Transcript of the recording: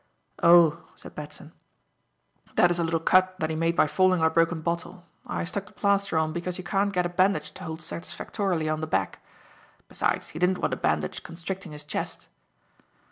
"Oh," said Batson, "that is a little cut that he made by falling on a broken bottle. I stuck the plaster on because you can't get a bandage to hold satisfactorily on the back. Besides, he didn't want a bandage constricting his chest."